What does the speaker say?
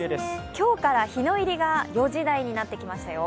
今日から日の入りが４時台になってきましたよ。